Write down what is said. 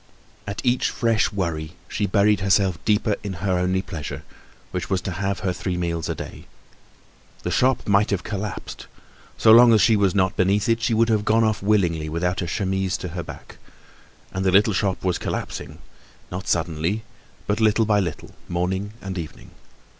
At each fresh worry she buried herself deeper in her only pleasure, which was to have her three meals a day. The shop might have collapsed. So long as she was not beneath it, she would have gone off willingly without a chemise to her back. And the little shop was collapsing, not suddenly, but little by little, morning and evening.